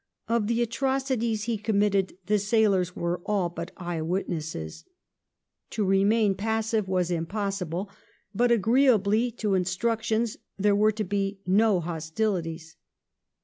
Of the atrocities he committed the sailors were all but eye witnesses.^ To remain passive was impossible, but agreeably to instructions there were to be "no hostilities".